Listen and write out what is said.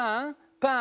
パン！